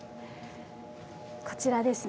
こちらですね。